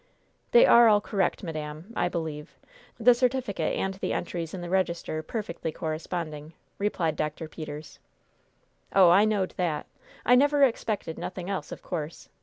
"They are all correct, madam, I believe the certificate and the entries in the register perfectly corresponding," replied Dr. Peters. "Oh, I knowed that; I never expected nothing else, of course.